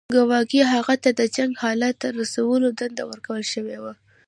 ګواکې هغه ته د جنګ حالت ته رسولو دنده ورکړل شوې وه.